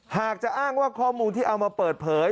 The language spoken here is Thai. หากจะอ้างว่าข้อมูลที่เอามาเปิดเผย